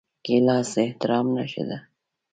ګیلاس د احترام نښه ده.